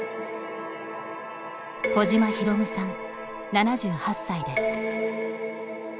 小島滌さん７８歳です。